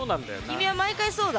君は毎回そうだ。